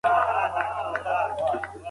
حادثه خبر نه کوي.